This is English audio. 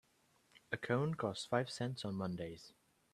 A cone costs five cents on Mondays.